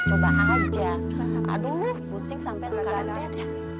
coba aja aduh pusing sampai sekarang beda